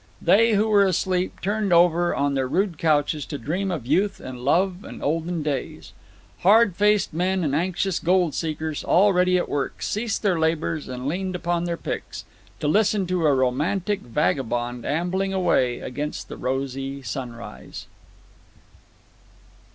They who were asleep turned over on their rude couches to dream of youth and love and olden days. Hard faced men and anxious gold seekers, already at work, ceased their labors and leaned upon their picks, to listen to a romantic vagabond ambling away against the rosy sunrise.